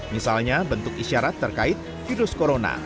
misalnya bentuk isyarat terkait virus corona